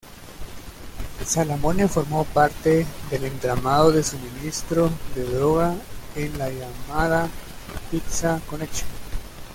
Salamone formó parte del entramado de suministro de droga en la llamada Pizza Connection.